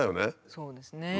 そうですね。